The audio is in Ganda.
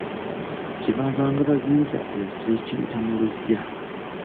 Kye baavanga baziyita ez'ekiyita mu luggya.